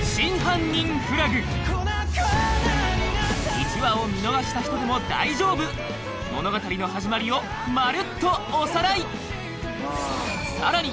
１話を見逃した人でも大丈夫物語の始まりをまるっとおさらいさらに